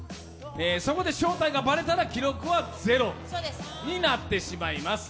そこで正体がバレたら記録はゼロになってしまいます。